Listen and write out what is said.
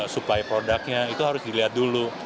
supaya produknya harus dilihat dulu